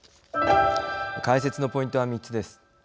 解説のポイントは３つです。